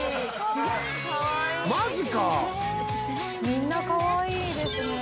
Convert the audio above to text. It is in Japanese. みんなかわいいですね。